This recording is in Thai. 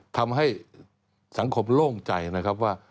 ทำให้สังคมโล่งใจนะครับว่า